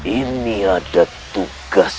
ini ada tugas